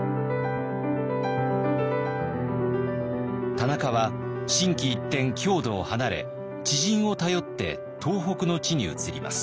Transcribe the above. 田中は心機一転郷土を離れ知人を頼って東北の地に移ります。